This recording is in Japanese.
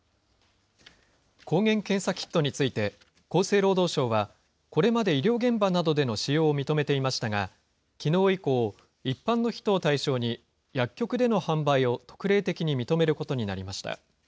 抗原検査キットについて、厚生労働省は、これまで医療現場などでの使用を認めていましたが、きのう以降、一般の人を対象に、薬局での販売を特例的に認めることになりました。